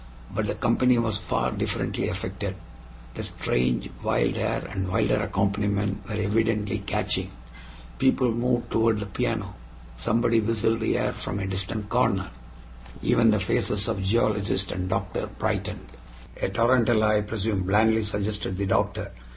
But the company was far differently affected: the strange, wild air and wilder accompaniment were evidently catching; people moved toward the piano; somebody whistled the air from a distant corner; even the faces of the geologist and doctor brightened. "A tarantella, I presume?" blandly suggested the doctor.